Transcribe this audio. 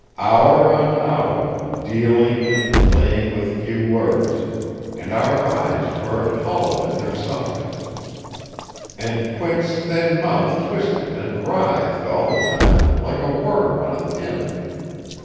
Hour on hour, dealing, and playing with few words; and our eyes burned hollow in their sockets, and Quint's thin mouth twisted and writhed all the time like a worm on a pin.